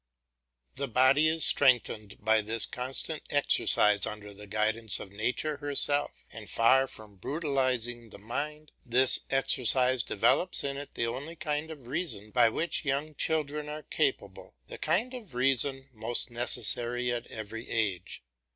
The body is strengthened by this constant exercise under the guidance of nature herself, and far from brutalising the mind, this exercise develops in it the only kind of reason of which young children are capable, the kind of reason most necessary at every age.